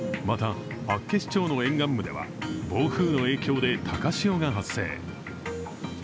また厚岸町の沿岸部では暴風雨の影響で高潮が発生。